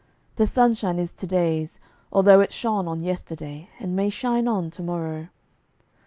The sunshine is to day's, although it shone On yesterday, and may shine on to morrow.